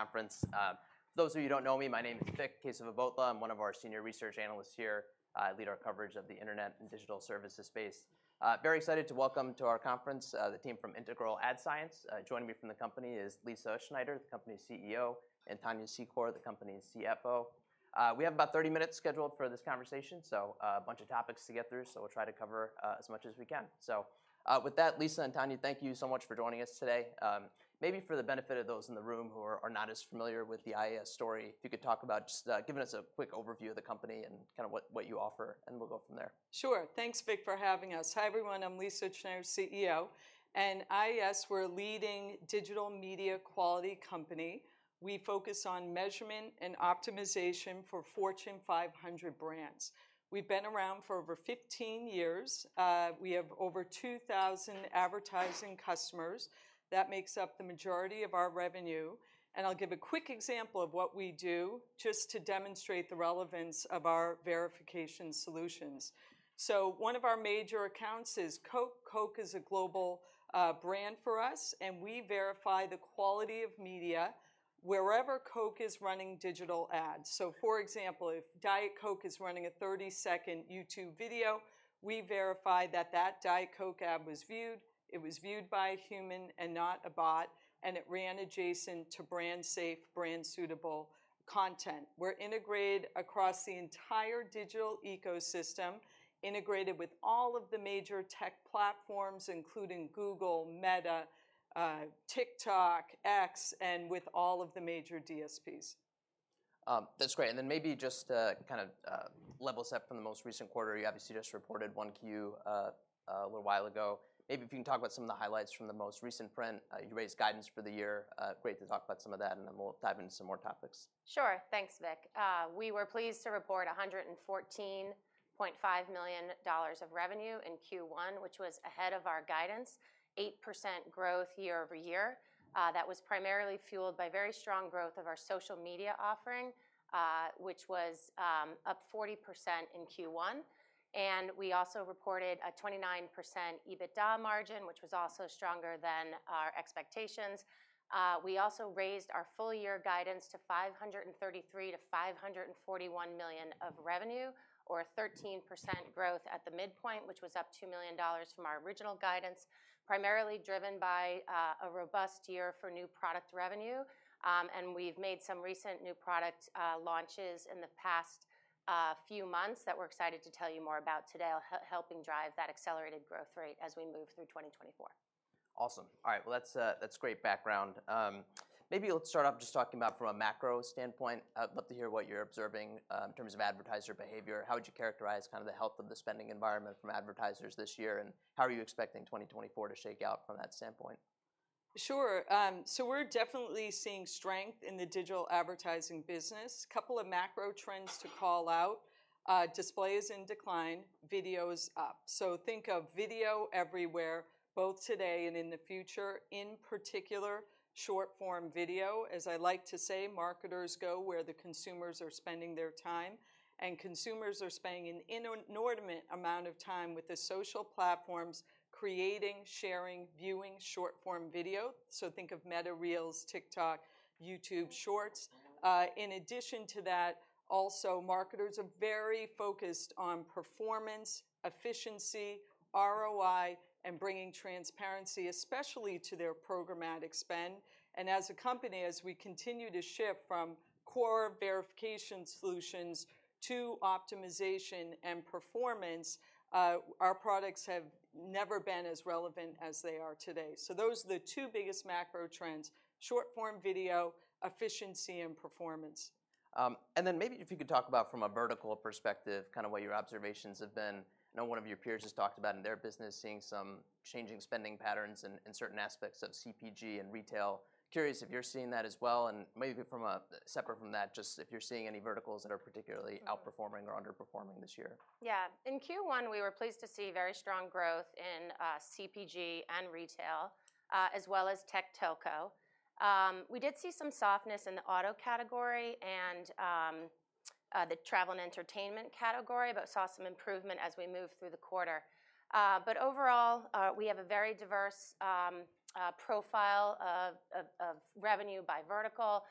Conference. Those of you who don't know me, my name is Vik Kesavabhotla. I'm one of our senior research analysts here. I lead our coverage of the internet and digital services space. Very excited to welcome to our conference the team from Integral Ad Science. Joining me from the company is Lisa Utzschneider, the company's CEO, and Tania Secor, the company's CFO. We have about 30 minutes scheduled for this conversation, so a bunch of topics to get through, so we'll try to cover as much as we can. With that, Lisa and Tania, thank you so much for joining us today. Maybe for the benefit of those in the room who are not as familiar with the IAS story, if you could talk about just giving us a quick overview of the company and kinda what you offer, and we'll go from there. Sure. Thanks, Vik, for having us. Hi, everyone. I'm Lisa Utzschneider, CEO, and IAS, we're a leading digital media quality company. We focus on measurement and optimization for Fortune 500 brands. We've been around for over 15 years. We have over 2,000 advertising customers. That makes up the majority of our revenue, and I'll give a quick example of what we do just to demonstrate the relevance of our verification solutions. So one of our major accounts is Coke. Coke is a global brand for us, and we verify the quality of media wherever Coke is running digital ads. So, for example, if Diet Coke is running a 30-second YouTube video, we verify that that Diet Coke ad was viewed, it was viewed by a human and not a bot, and it ran adjacent to brand safe, brand suitable content. We're integrated across the entire digital ecosystem, integrated with all of the major tech platforms, including Google, Meta, TikTok, X, and with all of the major DSPs. That's great, and then maybe just kind of level set from the most recent quarter. You obviously just reported Q1 a little while ago. Maybe if you can talk about some of the highlights from the most recent print. You raised guidance for the year. Great to talk about some of that, and then we'll dive into some more topics. Sure. Thanks, Vik. We were pleased to report $114.5 million of revenue in Q1, which was ahead of our guidance, 8% growth year-over-year. That was primarily fueled by very strong growth of our social media offering, which was up 40% in Q1. We also reported a 29% EBITDA margin, which was also stronger than our expectations. We also raised our full-year guidance to $533 million-$541 million of revenue, or 13% growth at the midpoint, which was up $2 million from our original guidance, primarily driven by a robust year for new product revenue. We've made some recent new product launches in the past few months that we're excited to tell you more about today, helping drive that accelerated growth rate as we move through 2024. Awesome. All right, well, that's great background. Maybe let's start off just talking about from a macro standpoint. I'd love to hear what you're observing in terms of advertiser behavior. How would you characterize kind of the health of the spending environment from advertisers this year, and how are you expecting 2024 to shake out from that standpoint? Sure. So we're definitely seeing strength in the digital advertising business. Couple of macro trends to call out. Display is in decline, video is up. So think of video everywhere, both today and in the future, in particular, short-form video. As I like to say, marketers go where the consumers are spending their time, and consumers are spending an inordinate amount of time with the social platforms, creating, sharing, viewing short-form video. So think of Meta Reels, TikTok, YouTube Shorts. In addition to that, also, marketers are very focused on performance, efficiency, ROI, and bringing transparency, especially to their programmatic spend. And as a company, as we continue to shift from core verification solutions to optimization and performance, our products have never been as relevant as they are today. So those are the two biggest macro trends: short-form video, efficiency, and performance. And then maybe if you could talk about from a vertical perspective, kind of what your observations have been. I know one of your peers just talked about in their business, seeing some changing spending patterns in certain aspects of CPG and retail. Curious if you're seeing that as well, and maybe, separate from that, just if you're seeing any verticals that are particularly outperforming or underperforming this year. Yeah. In Q1, we were pleased to see very strong growth in CPG and retail, as well as tech telco. We did see some softness in the auto category and the travel and entertainment category, but saw some improvement as we moved through the quarter. But overall, we have a very diverse profile of revenue by vertical.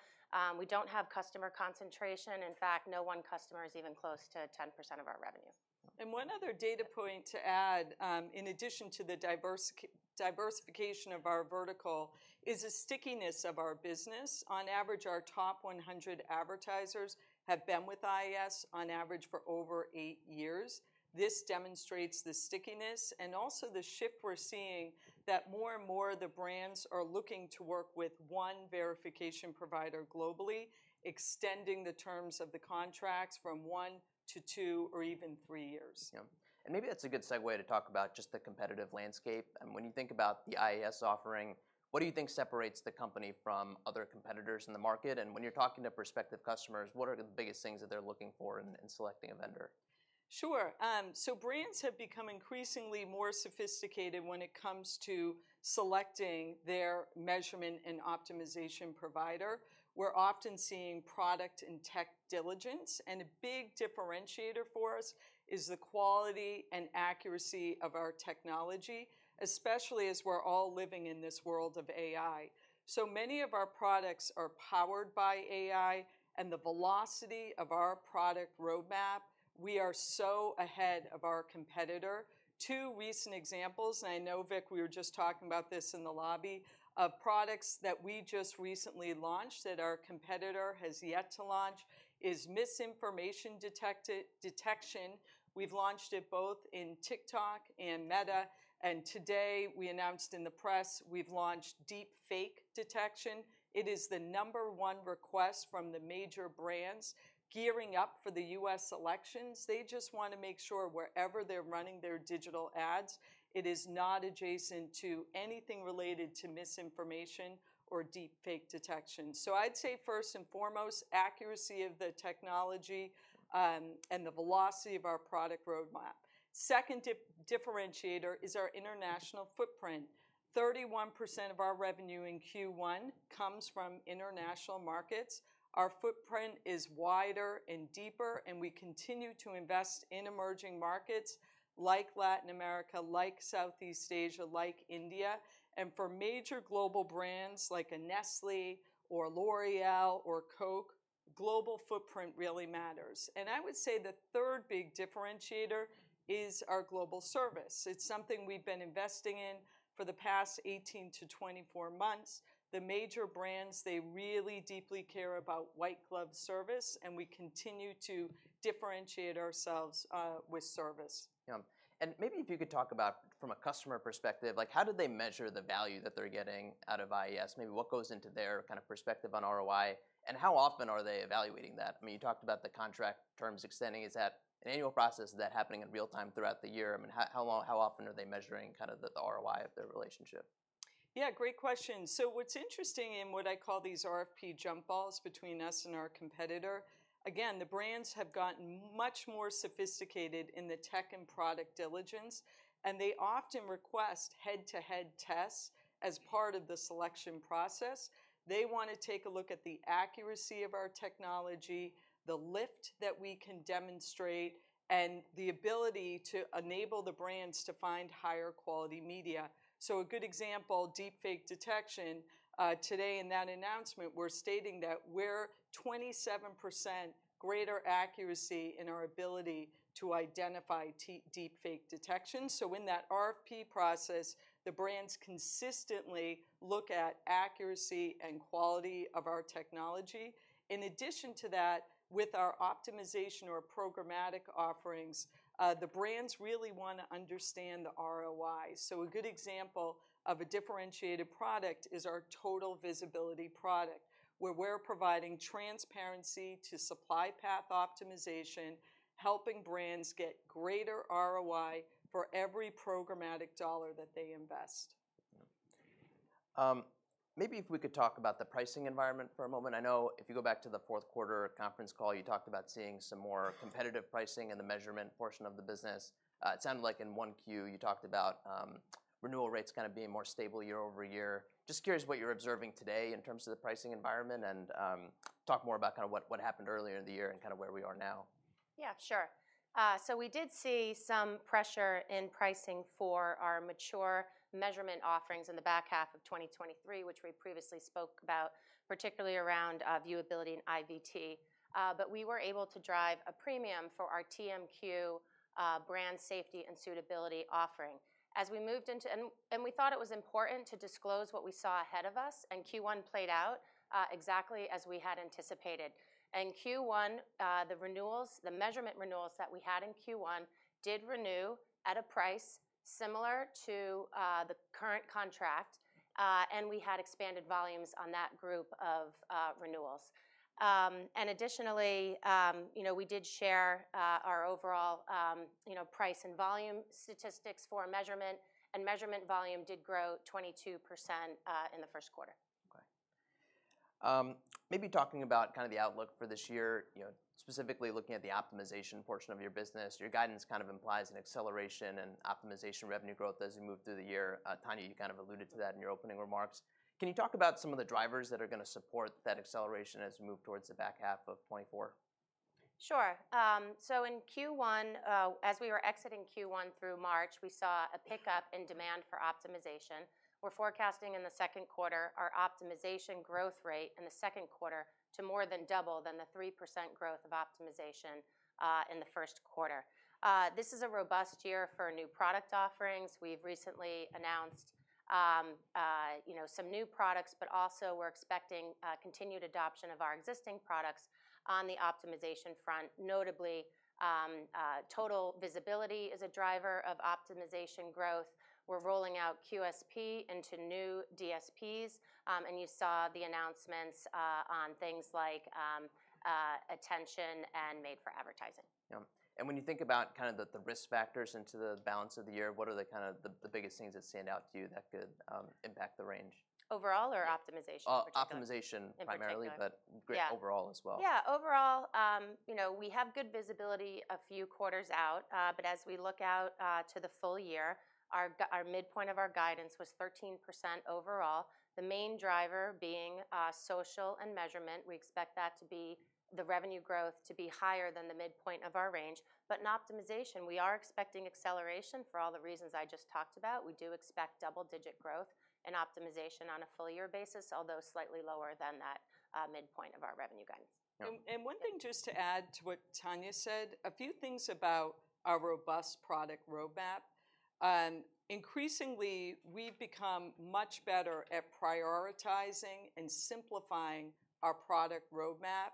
We don't have customer concentration. In fact, no one customer is even close to 10% of our revenue. One other data point to add, in addition to the diversification of our vertical, is the stickiness of our business. On average, our top 100 advertisers have been with IAS, on average, for over eight years. This demonstrates the stickiness and also the shift we're seeing, that more and more of the brands are looking to work with one verification provider globally, extending the terms of the contracts from one to two or even three years. Yeah. And maybe that's a good segue to talk about just the competitive landscape. And when you think about the IAS offering, what do you think separates the company from other competitors in the market? And when you're talking to prospective customers, what are the biggest things that they're looking for in selecting a vendor? Sure. So brands have become increasingly more sophisticated when it comes to selecting their measurement and optimization provider. We're often seeing product and tech diligence, and a big differentiator for us is the quality and accuracy of our technology, especially as we're all living in this world of AI. So many of our products are powered by AI and the velocity of our product roadmap, we are so ahead of our competitor. Two recent examples, and I know, Vik, we were just talking about this in the lobby, of products that we just recently launched that our competitor has yet to launch, is misinformation detection. We've launched it both in TikTok and Meta, and today, we announced in the press, we've launched deepfake detection. It is the number one request from the major brands gearing up for the US elections. They just want to make sure wherever they're running their digital ads, it is not adjacent to anything related to misinformation or deepfake detection. So I'd say first and foremost, accuracy of the technology, and the velocity of our product roadmap. Second differentiator is our international footprint. 31% of our revenue in Q1 comes from international markets. Our footprint is wider and deeper, and we continue to invest in emerging markets, like Latin America, like Southeast Asia, like India. And for major global brands like a Nestlé or L'Oréal or Coke, global footprint really matters. And I would say the third big differentiator is our global service. It's something we've been investing in for the past 18-24 months. The major brands, they really deeply care about white glove service, and we continue to differentiate ourselves, with service. Yeah. And maybe if you could talk about from a customer perspective, like how do they measure the value that they're getting out of IAS? Maybe what goes into their kind of perspective on ROI, and how often are they evaluating that? I mean, you talked about the contract terms extending. Is that an annual process? Is that happening in real time throughout the year? I mean, how often are they measuring kind of the, the ROI of their relationship? Yeah, great question. So what's interesting in what I call these RFP jump balls between us and our competitor, again, the brands have gotten much more sophisticated in the tech and product diligence, and they often request head-to-head tests as part of the selection process. They wanna take a look at the accuracy of our technology, the lift that we can demonstrate, and the ability to enable the brands to find higher quality media. So a good example, deepfake detection. Today, in that announcement, we're stating that we're 27% greater accuracy in our ability to identify deepfake detection. So in that RFP process, the brands consistently look at accuracy and quality of our technology. In addition to that, with our optimization or programmatic offerings, the brands really wanna understand the ROI. A good example of a differentiated product is our Total Visibility product, where we're providing transparency to Supply Path Optimization, helping brands get greater ROI for every programmatic dollar that they invest. Maybe if we could talk about the pricing environment for a moment. I know if you go back to the fourth quarter conference call, you talked about seeing some more competitive pricing in the measurement portion of the business. It sounded like in one Q, you talked about renewal rates kind of being more stable year-over-year. Just curious what you're observing today in terms of the pricing environment, and talk more about kind of what happened earlier in the year and kind of where we are now. Yeah, sure. So we did see some pressure in pricing for our mature measurement offerings in the back half of 2023, which we previously spoke about, particularly around viewability and IVT. But we were able to drive a premium for our TMQ brand safety and suitability offering. As we moved into, and we thought it was important to disclose what we saw ahead of us, and Q1 played out exactly as we had anticipated. In Q1, the renewals, the measurement renewals that we had in Q1, did renew at a price similar to the current contract, and we had expanded volumes on that group of renewals. And additionally, you know, we did share our overall, you know, price and volume statistics for measurement, and measurement volume did grow 22% in the first quarter. Okay. Maybe talking about kind of the outlook for this year, you know, specifically looking at the optimization portion of your business. Your guidance kind of implies an acceleration in optimization revenue growth as you move through the year. Tania, you kind of alluded to that in your opening remarks. Can you talk about some of the drivers that are gonna support that acceleration as you move towards the back half of 2024? Sure. So in Q1, as we were exiting Q1 through March, we saw a pickup in demand for optimization. We're forecasting in the second quarter, our optimization growth rate in the second quarter, to more than double than the 3% growth of optimization in the first quarter. This is a robust year for new product offerings. We've recently announced, you know, some new products, but also we're expecting continued adoption of our existing products on the optimization front. Notably, Total Visibility is a driver of optimization growth. We're rolling out QSP into new DSPs, and you saw the announcements on things like attention and made for advertising. Yeah. And when you think about kind of the risk factors into the balance of the year, what are kind of the biggest things that stand out to you that could impact the range? Overall ad optimization, which Uh, optimization In particular primarily, but Yeah Overall as well. Yeah. Overall, you know, we have good visibility a few quarters out, but as we look out to the full-year, our midpoint of our guidance was 13% overall, the main driver being social and measurement. We expect that to be the revenue growth to be higher than the midpoint of our range. But in optimization, we are expecting acceleration for all the reasons I just talked about. We do expect double-digit growth and optimization on a full-year basis, although slightly lower than that midpoint of our revenue guidance. Yeah. One thing just to add to what Tania said, a few things about our robust product roadmap. Increasingly, we've become much better at prioritizing and simplifying our product roadmap,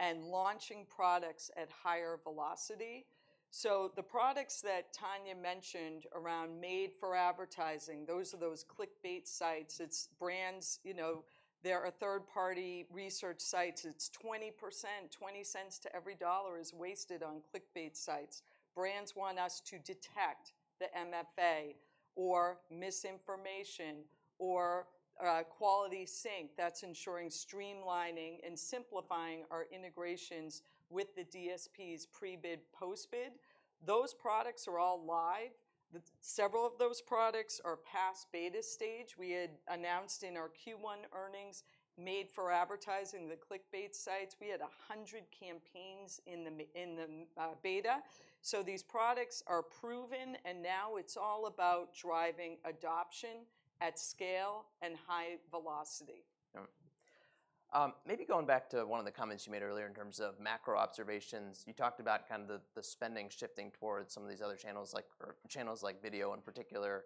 and launching products at higher velocity. So the products that Tania mentioned around made for advertising, those are those clickbait sites, it's brands, you know, they're a third-party research sites. It's 20%, $0.20 to every $1 is wasted on clickbait sites. Brands want us to detect the MFA or misinformation, or Quality Sync. That's ensuring streamlining and simplifying our integrations with the DSPs pre-bid, post-bid. Those products are all live. Several of those products are past beta stage. We had announced in our Q1 earnings, made for advertising the clickbait sites. We had 100 campaigns in the beta. These products are proven, and now it's all about driving adoption at scale and high velocity. Yeah. Maybe going back to one of the comments you made earlier in terms of macro observations. You talked about kind of the spending shifting towards some of these other channels, like, or channels like video in particular.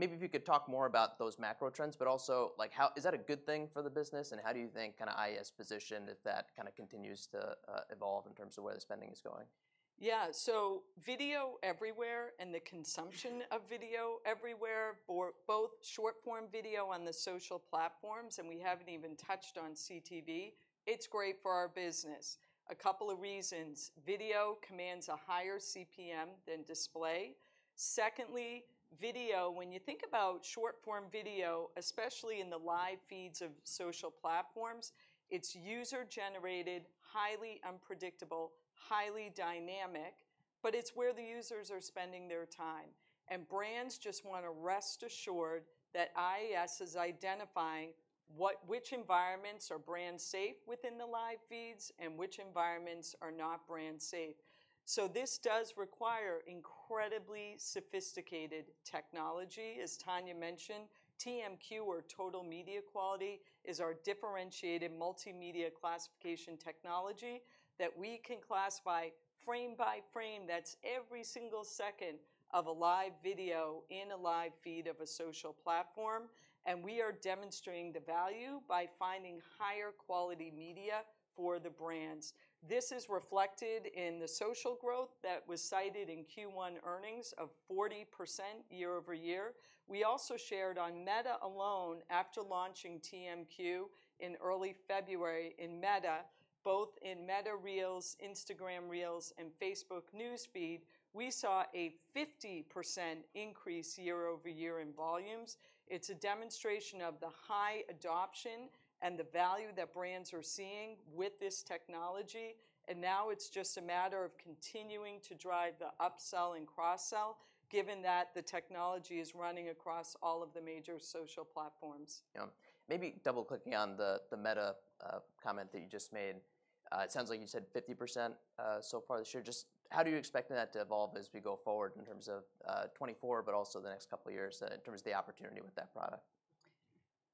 Just maybe if you could talk more about those macro trends, but also, like, how, Is that a good thing for the business? And how do you think kind of IAS positioned, if that kind of continues to evolve in terms of where the spending is going? Yeah. So video everywhere and the consumption of video everywhere, for both short-form video on the social platforms, and we haven't even touched on CTV, it's great for our business. A couple of reasons: Video commands a higher CPM than display. Secondly, video, when you think about short-form video, especially in the live feeds of social platforms, it's user-generated, highly unpredictable, highly dynamic, but it's where the users are spending their time. And brands just want to rest assured that IAS is identifying which environments are brand safe within the live feeds, and which environments are not brand safe. So this does require incredibly sophisticated technology. As Tania mentioned, TMQ or Total Media Quality, is our differentiated multimedia classification technology, that we can classify frame by frame. That's every single second of a live video in a live feed of a social platform, and we are demonstrating the value by finding higher quality media for the brands. This is reflected in the social growth that was cited in Q1 earnings of 40% year-over-year. We also shared on Meta alone, after launching TMQ in early February in Meta, both in Meta Reels, Instagram Reels, and Facebook News Feed, we saw a 50% increase year-over-year in volumes. It's a demonstration of the high adoption and the value that brands are seeing with this technology, and now it's just a matter of continuing to drive the upsell and cross-sell, given that the technology is running across all of the major social platforms. Yeah. Maybe double-clicking on the Meta comment that you just made. It sounds like you said 50% so far this year. Just how do you expect that to evolve as we go forward in terms of 2024, but also the next couple of years, in terms of the opportunity with that product?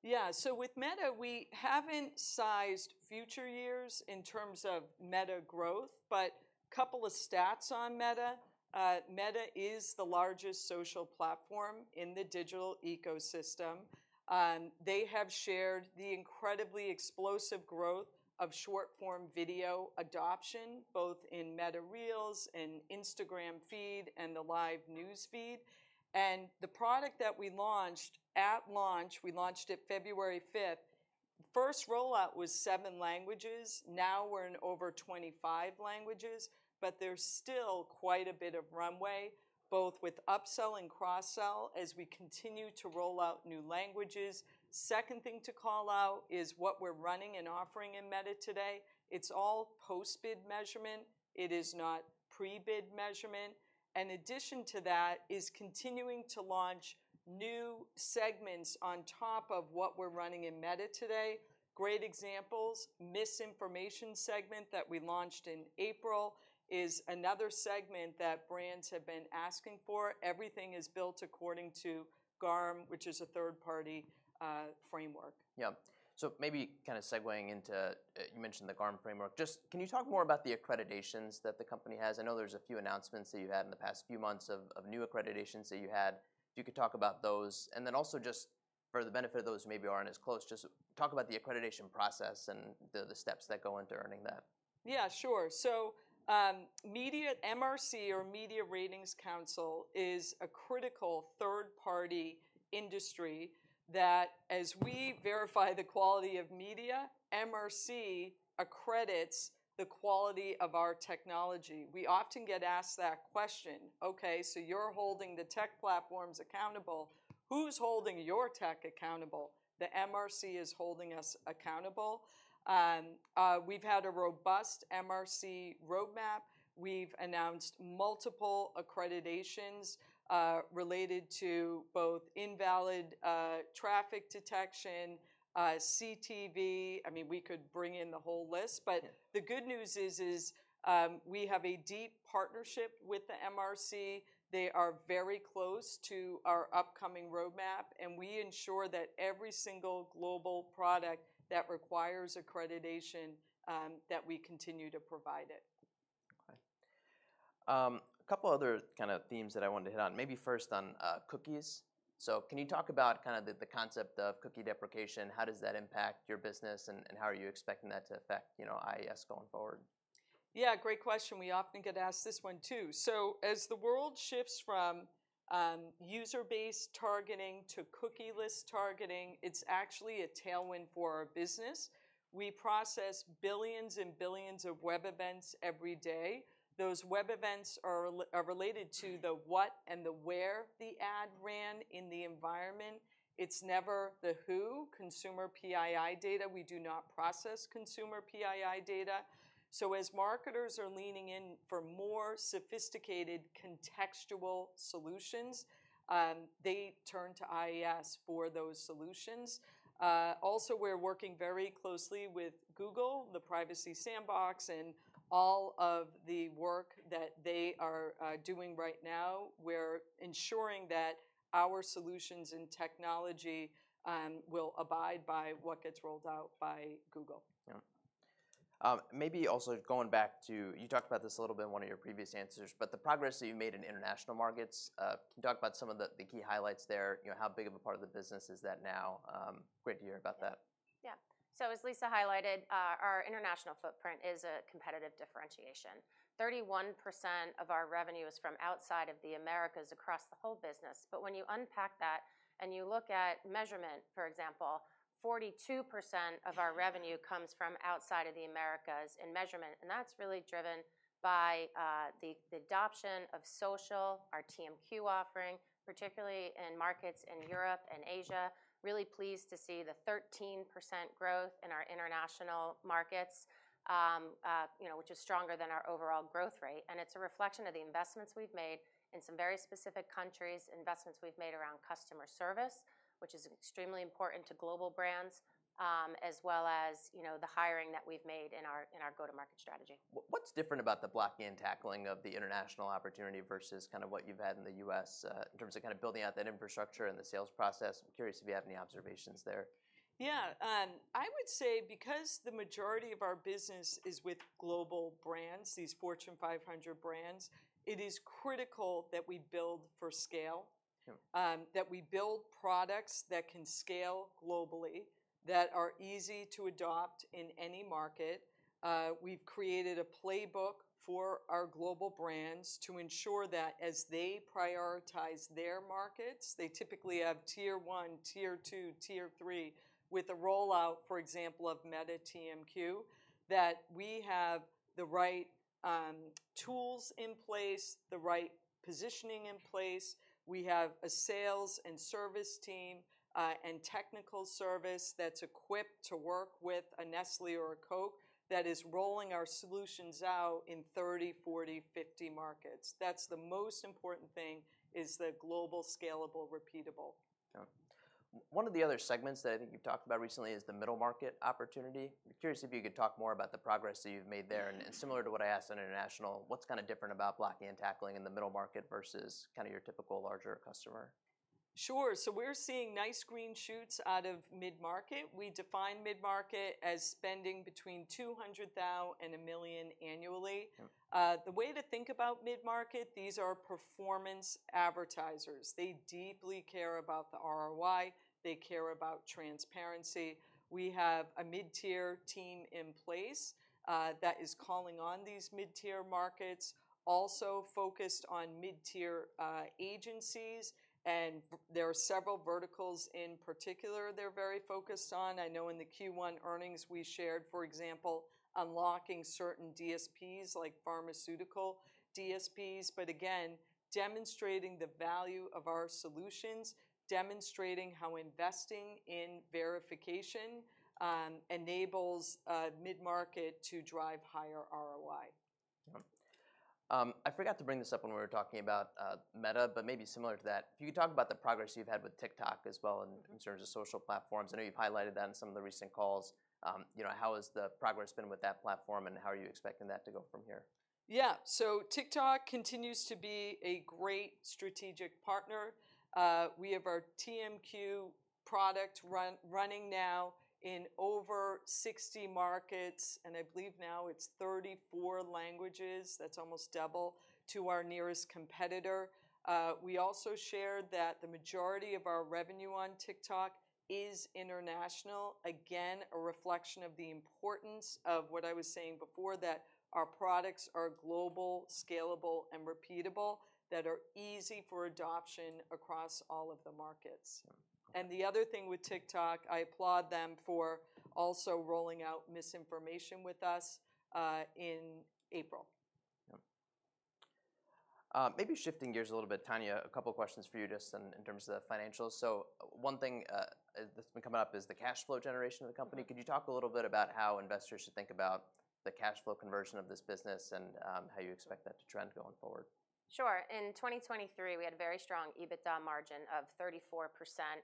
Yeah. So with Meta, we haven't sized future years in terms of Meta growth, but couple of stats on Meta. Meta is the largest social platform in the digital ecosystem. They have shared the incredibly explosive growth of short-form video adoption, both in Meta Reels, in Instagram Feed, and the Facebook News Feed. And the product that we launched, at launch, we launched it February 5th, first rollout was seven languages. Now we're in over 25 languages, but there's still quite a bit of runway, both with upsell and cross-sell, as we continue to roll out new languages. Second thing to call out is what we're running and offering in Meta today. It's all post-bid measurement. It is not pre-bid measurement. In addition to that, is continuing to launch new segments on top of what we're running in Meta today. Great examples. Misinformation segment that we launched in April is another segment that brands have been asking for. Everything is built according to GARM, which is a third-party framework. Yeah. So maybe kind of segueing into, you mentioned the GARM framework, just can you talk more about the accreditations that the company has? I know there's a few announcements that you had in the past few months of new accreditations that you had. If you could talk about those, and then also just for the benefit of those who maybe aren't as close, just talk about the accreditation process and the steps that go into earning that. Yeah, sure. So, media, MRC or Media Rating Council, is a critical third-party industry that, as we verify the quality of media, MRC accredits the quality of our technology. We often get asked that question, "Okay, so you're holding the tech platforms accountable. Who's holding your tech accountable?" The MRC is holding us accountable. We've had a robust MRC roadmap. We've announced multiple accreditations related to both invalid traffic detection, CTV. I mean, we could bring in the whole list, but Yeah the good news is, we have a deep partnership with the MRC. They are very close to our upcoming roadmap, and we ensure that every single global product that requires accreditation, that we continue to provide it. Okay. A couple other kind of themes that I wanted to hit on, maybe first on cookies. So can you talk about kind of the, the concept of cookie deprecation? How does that impact your business, and, and how are you expecting that to affect, you know, IAS going forward? Yeah, great question. We often get asked this one, too. So as the world shifts from user-based targeting to cookieless targeting, it's actually a tailwind for our business. We process billions and billions of web events every day. Those web events are related to- Mm the what and the where the ad ran in the environment. It's never the who, consumer PII data. We do not process consumer PII data. So as marketers are leaning in for more sophisticated, contextual solutions, they turn to IAS for those solutions. Also, we're working very closely with Google, the Privacy Sandbox, and all of the work that they are doing right now. We're ensuring that our solutions and technology will abide by what gets rolled out by Google. Yeah. Maybe also going back to, You talked about this a little bit in one of your previous answers, but the progress that you made in international markets, can you talk about some of the key highlights there? You know, how big of a part of the business is that now? Great to hear about that. Yeah. So as Lisa highlighted, our international footprint is a competitive differentiation. 31% of our revenue is from outside of the Americas, across the whole business, but when you unpack that, and you look at measurement, for example, 42% of our revenue comes from outside of the Americas in measurement, and that's really driven by the, the adoption of social, our TMQ offering, particularly in markets in Europe and Asia. Really pleased to see the 13% growth in our international markets, you know, which is stronger than our overall growth rate, and it's a reflection of the investments we've made in some very specific countries, investments we've made around customer service, which is extremely important to global brands, as well as, you know, the hiring that we've made in our, in our go-to-market strategy. What's different about the blocking and tackling of the international opportunity versus kind of what you've had in the U.S., in terms of kind of building out that infrastructure and the sales process? I'm curious if you have any observations there. Yeah. I would say because the majority of our business is with global brands, these Fortune 500 brands, it is critical that we build for scale. Yeah. That we build products that can scale globally, that are easy to adopt in any market. We've created a playbook for our global brands to ensure that as they prioritize their markets, they typically have tier one, tier two, tier three, with a rollout, for example, of Meta TMQ, that we have the right tools in place, the right positioning in place. We have a sales and service team and technical service that's equipped to work with a Nestlé or a Coke, that is rolling our solutions out in 30, 40, 50 markets. That's the most important thing, is the global, scalable, repeatable. Yeah. One of the other segments that I think you've talked about recently is the middle market opportunity. I'm curious if you could talk more about the progress that you've made there, and similar to what I asked on international, what's kind of different about blocking and tackling in the middle market versus kind of your typical larger customer? Sure, so we're seeing nice green shoots out of mid-market. We define mid-market as spending between $200,000 and $1 million annually. Yeah. The way to think about mid-market, these are performance advertisers. They deeply care about the ROI. They care about transparency. We have a mid-tier team in place, that is calling on these mid-tier markets, also focused on mid-tier, agencies there are several verticals in particular they're very focused on. I know in the Q1 earnings we shared, for example, unlocking certain DSPs, like pharmaceutical DSPs. But again, demonstrating the value of our solutions, demonstrating how investing in verification, enables, mid-market to drive higher ROI. Yeah. I forgot to bring this up when we were talking about Meta, but maybe similar to that. Can you talk about the progress you've had with TikTok as well in terms of social platforms? I know you've highlighted that in some of the recent calls. You know, how has the progress been with that platform, and how are you expecting that to go from here? Yeah. So TikTok continues to be a great strategic partner. We have our TMQ product running now in over 60 markets, and I believe now it's 34 languages. That's almost double to our nearest competitor. We also shared that the majority of our revenue on TikTok is international. Again, a reflection of the importance of what I was saying before, that our products are global, scalable, and repeatable, that are easy for adoption across all of the markets. Yeah. The other thing with TikTok, I applaud them for also rolling out misinformation with us, in April. Yep. Maybe shifting gears a little bit, Tania, a couple of questions for you, just in, in terms of the financials. So one thing that's been coming up is the cash flow generation of the company. Could you talk a little bit about how investors should think about the cash flow conversion of this business and how you expect that to trend going forward? Sure. In 2023, we had a very strong EBITDA margin of 34%,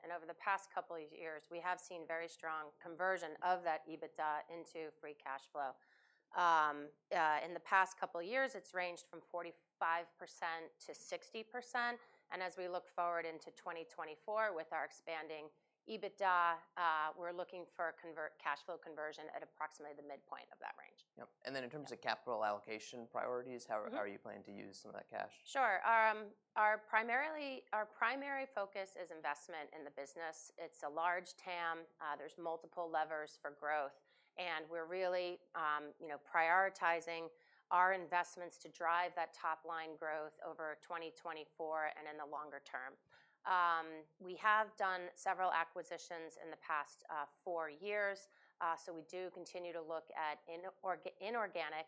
and over the past couple years, we have seen very strong conversion of that EBITDA into free cash flow. In the past couple of years, it's ranged from 45% to 60%, and as we look forward into 2024 with our expanding EBITDA, we're looking for a cash flow conversion at approximately the midpoint of that range. Yep. And then in terms of capital allocation priorities Mm-hmm. How are you planning to use some of that cash? Sure. Our primarily, our primary focus is investment in the business. It's a large TAM. There's multiple levers for growth, and we're really, you know, prioritizing our investments to drive that top-line growth over 2024 and in the longer term. We have done several acquisitions in the past four years, so we do continue to look at inorganic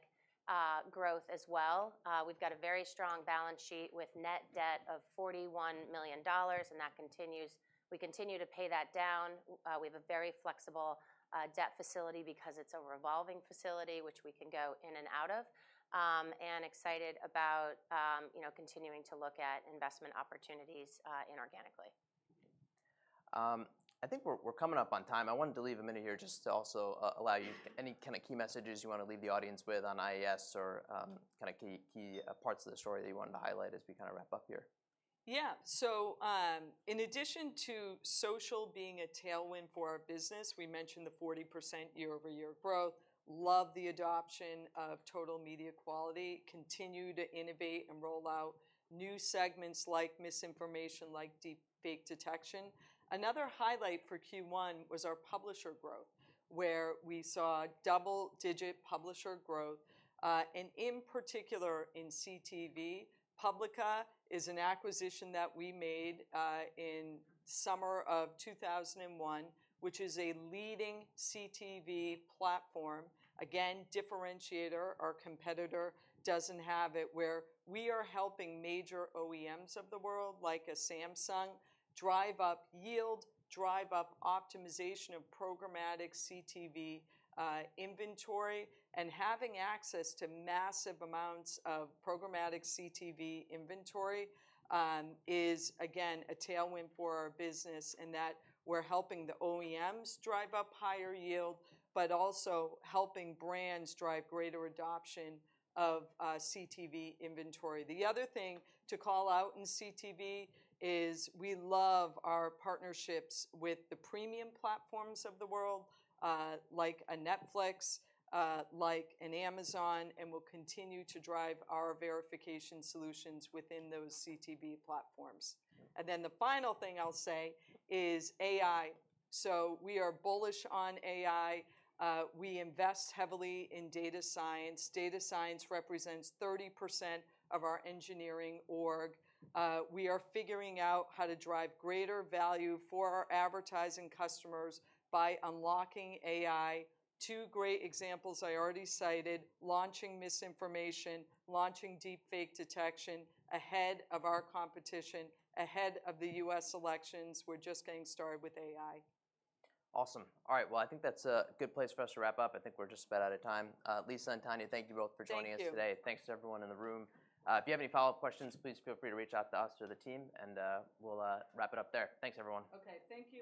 growth as well. We've got a very strong balance sheet with net debt of $41 million, and that continues. We continue to pay that down. We have a very flexible debt facility because it's a revolving facility, which we can go in and out of, and excited about, you know, continuing to look at investment opportunities inorganically. I think we're coming up on time. I wanted to leave a minute here just to also allow you any kind of key messages you want to leave the audience with on IAS or kind of key parts of the story that you wanted to highlight as we kind of wrap up here. Yeah. So, in addition to social being a tailwind for our business, we mentioned the 40% year-over-year growth. Love the adoption of Total Media Quality, continue to innovate and roll out new segments like misinformation, like deepfake detection. Another highlight for Q1 was our publisher growth, where we saw double-digit publisher growth, and in particular, in CTV. Publica is an acquisition that we made, in summer of 2021, which is a leading CTV platform. Again, differentiator, our competitor doesn't have it, where we are helping major OEMs of the world, like Samsung, drive up yield, drive up optimization of programmatic CTV, inventory. And having access to massive amounts of programmatic CTV inventory, is again, a tailwind for our business, in that we're helping the OEMs drive up higher yield, but also helping brands drive greater adoption of, CTV inventory. The other thing to call out in CTV is we love our partnerships with the premium platforms of the world, like a Netflix, like an Amazon, and we'll continue to drive our verification solutions within those CTV platforms. Mm. Then the final thing I'll say is AI. So we are bullish on AI. We invest heavily in data science. Data science represents 30% of our engineering org. We are figuring out how to drive greater value for our advertising customers by unlocking AI. Two great examples I already cited, launching misinformation, launching deepfake detection ahead of our competition, ahead of the U.S. elections. We're just getting started with AI. Awesome. All right, well, I think that's a good place for us to wrap up. I think we're just about out of time. Lisa and Tania, thank you both for joining us today. Thank you. Thanks to everyone in the room. If you have any follow-up questions, please feel free to reach out to us or the team, and we'll wrap it up there. Thanks, everyone. Okay, thank you.